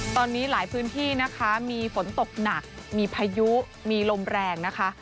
ตอนนี้หลายพื้นที่นะคะมีฝนตกหนักมีพายุมีลมแรงนะคะ